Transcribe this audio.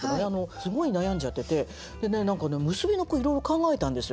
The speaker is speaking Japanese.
すごい悩んじゃってて結びの句いろいろ考えたんですよ。